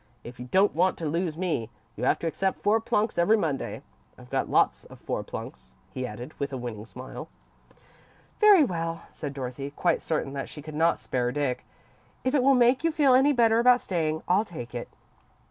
If you don't want to lose me, you have to accept four plunks every Monday. I've got lots of four plunks," he added, with a winning smile. "Very well," said Dorothy, quite certain that she could not spare Dick. "If it will make you feel any better about staying, I'll take it."